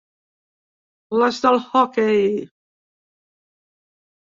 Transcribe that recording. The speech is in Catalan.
Les de l’hoquei.